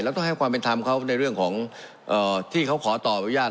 แล้วต้องให้ความเป็นธรรมเขาในเรื่องของเอ่อที่เขาขอต่อไว้ย่าน